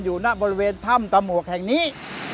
อยู่หน้าบริเวณถ้ำตามวกแห่งนี้